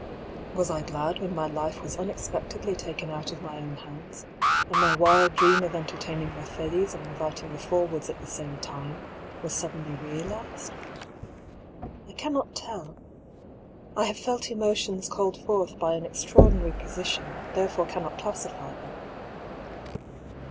Was I glad when my life was unexpectedly taken out of my own hands, and my wild dream of entertaining Mercedes and inviting the Forwoods at the same time, was suddenly realised? I cannot tell. I have felt emo tions called forth by an extraordinary position, therefore cannot classify them.